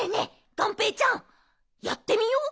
がんぺーちゃんやってみよう？